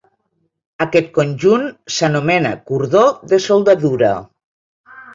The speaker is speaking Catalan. Aquest conjunt s'anomena cordó de soldadura.